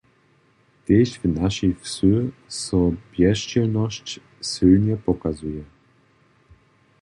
Tež w našej wsy so bjezdźěłnosć sylnje pokazuje.